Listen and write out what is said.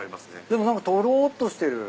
でも何かとろっとしてる。